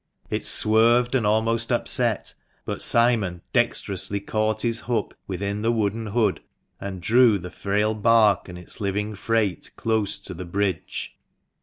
It swerved, and almost upset ; but Simon dexterously caught his hook within the wooden hood, and drew the frail bark and its 6 THE MANCHESTER MAN. living freight close to the bridge.